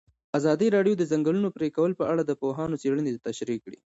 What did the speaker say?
ازادي راډیو د د ځنګلونو پرېکول په اړه د پوهانو څېړنې تشریح کړې.